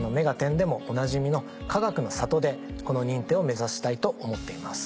でもおなじみの「かがくの里」でこの認定を目指したいと思っています。